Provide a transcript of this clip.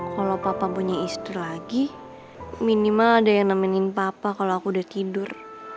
kalau papa punya istri lagi minimal ada yang nemenin papa kalau aku udah tidur